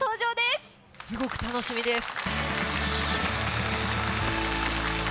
すごく楽しみです。